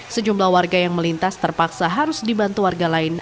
sejumlah warga yang melintas terpaksa harus dibantu warga lain